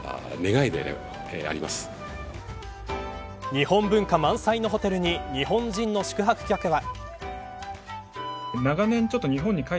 日本文化満載のホテルに日本人の宿泊客は。